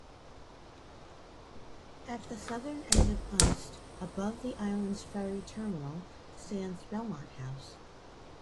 At the southern end of Unst, above the island's ferry terminal, stands Belmont House.